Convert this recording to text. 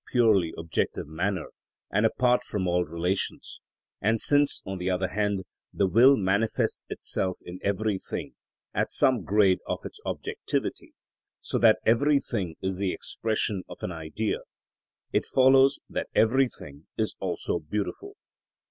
purely objective manner and apart from all relations; and since, on the other hand, the will manifests itself in everything at some grade of its objectivity, so that everything is the expression of an Idea; it follows that everything is also beautiful.